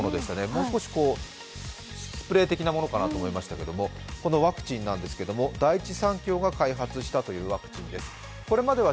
もう少し、スプレー的なものかなと思いましたけどこのワクチンなんですけれども、第一三共が開発したワクチンということです。